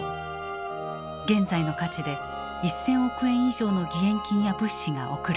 現在の価値で１，０００億円以上の義援金や物資が送られた。